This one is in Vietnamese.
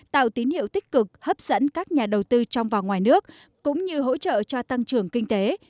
tạo tín hiệu tích cực hấp dẫn các nhà đầu tư trong và ngoài nước cũng như hỗ trợ cho tăng trưởng kinh tế